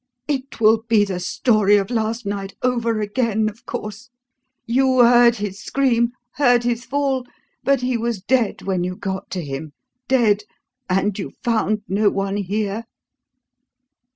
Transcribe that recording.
"It will be the story of last night over again, of course? You heard his scream, heard his fall, but he was dead when you got to him dead and you found no one here?"